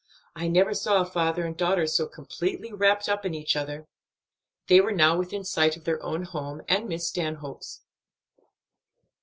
I never saw a father and daughter so completely wrapped up in each other." They were now within sight of their own home, and Miss Stanhope's.